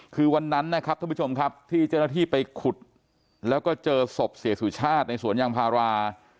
คือวันนั้นนะครับท่านผู้ชมครับที่เจ้าหน้าที่ไปขุดแล้วก็เจอศพเสียสุชาติในสวนยางพารา